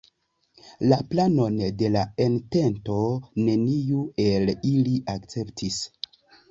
La planon de la entento neniu el ili akceptis.